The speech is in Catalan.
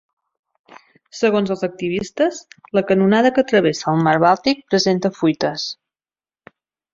Segons els activistes, la canonada que travessa el mar Bàltic presenta fuites.